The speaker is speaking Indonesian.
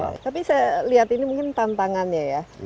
tapi saya lihat ini mungkin tantangannya ya